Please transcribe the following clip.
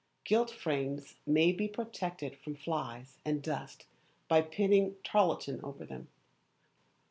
Gilt frames may be protected from flies and dust by pinning tarlatan over them.